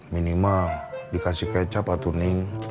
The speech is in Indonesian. minimal dikasih kecap atau ning